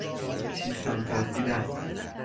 چیستان پرسیدن